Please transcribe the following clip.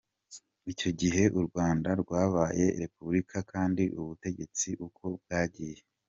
icyo gihe Urwanda rwabaye Repubulika kandi ubutegetsi uko bwagiye